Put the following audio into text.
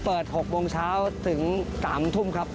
เปิด๖โมงเช้าถึง๓ทุ่มครับ